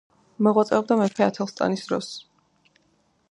მოღვაწეობდა მეფე ათელსტანის დროს.